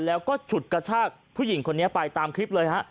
แล้วก็ฉุดกระชากผู้หญิงคนนี้ไปตามคลิปเลยฮะ